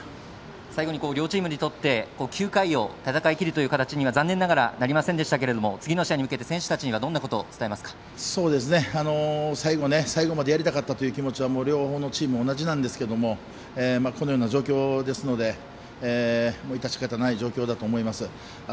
最後に両チームにとって９回を戦いきるという形には残念ながらなりませんでしたが次の試合に向けて選手たちには最後までやりたかったという気持ちは両方のチーム、同じなんですけどこのような状況ですので致し方ない状況だと思います。